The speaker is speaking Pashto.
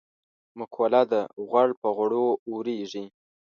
مقوله ده: غوړ په غوړو اورېږي.